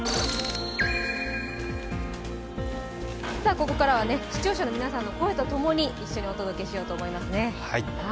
ここからは視聴者の皆さんの声とともに一緒にお届けしようと思います。